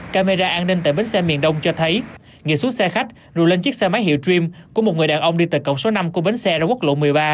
camera an ninh tại bến xe miền đông cho thấy nghĩa xuống xe khách rồi lên chiếc xe máy hiệu trim của một người đàn ông đi tại cổng số năm của bến xe ở quốc lộ một mươi ba